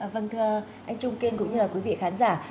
vâng thưa anh trung kiên cũng như là quý vị khán giả